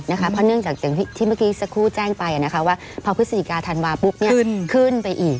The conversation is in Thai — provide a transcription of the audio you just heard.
เพราะเนื่องจากอย่างที่เมื่อกี้สักครู่แจ้งไปว่าพอพฤศจิกาธันวาปุ๊บขึ้นไปอีก